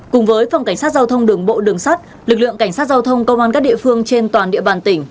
cùng với phòng cảnh sát giao thông đường bộ đường sắt lực lượng cảnh sát giao thông công an các địa phương trên toàn địa bàn tỉnh